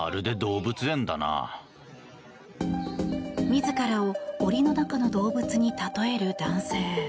自らを檻の中の動物に例える男性。